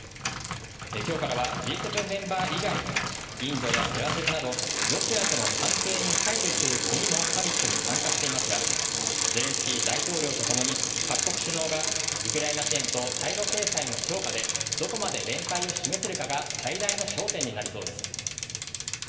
今日からはＧ７メンバー以外のインドやブラジルなどロシアとの関係に配慮する国もサミットに参加していますがゼレンスキー大統領とともに各国首脳がウクライナ支援と対露制裁の強化でどこまで連帯を示せるかが最大の焦点になりそうです。